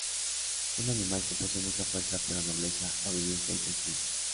Un animal que posee mucha fuerza, pero nobleza, obediencia y tranquilidad.